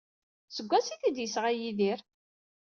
Seg wansi ay t-id-yesɣa Yidir?